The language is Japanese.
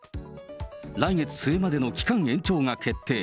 来月末までの期間延長が決定。